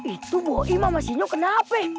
itu boh imam asinya kenapa